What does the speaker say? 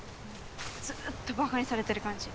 ずーっとバカにされてる感じ。